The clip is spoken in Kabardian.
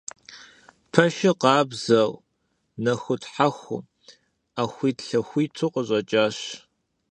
Пэшыр къабзэу нэхутхьэхуу Ӏэхуитлъэхуиту къыщӀэкӀащ.